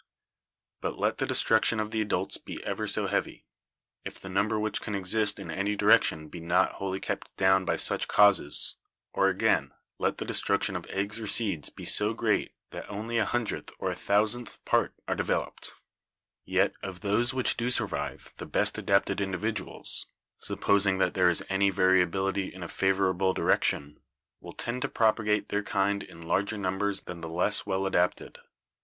"But let the destruction of the adults be ever so heavy, if the number which can exist in any district be not wholly kept down by such causes — or again, let the de struction of eggs or seeds be so great that only a hun dredth or a thousandth part are developed — yet of those which do survive the best adapted individuals, supposing that there is any variability in a favorable direction, will tend to propagate their kind in larger numbers than the less well adapted.